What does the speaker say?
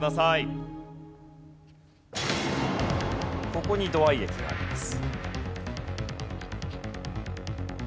ここに土合駅があります。